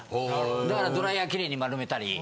だからドライヤー綺麗に丸めたり。